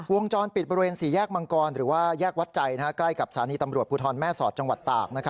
วงจรปิดบรรเวณสี่แยกมังกรหรือว่าแยกวัดใจนะฮะ